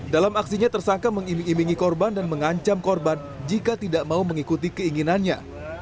dalam aksinya tersangka mengiming imingi korban dan mengancam korban jika tidak mau mengikuti keinginannya